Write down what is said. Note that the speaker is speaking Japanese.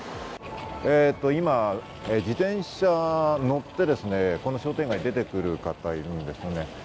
今、自転車に乗ってですね、この商店街を出てくる方がいるんですよね。